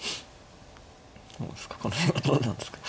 どうですか。